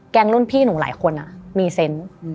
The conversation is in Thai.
รุ่นพี่หนูหลายคนมีเซนต์